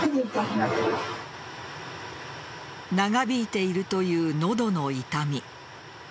長引いているという喉の痛み。